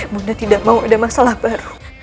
bunda tidak mau ada masalah baru